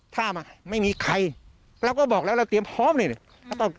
ถ้ามาไม่มีใครเราก็บอกแล้วเราเตรียมพร้อมเนี่ย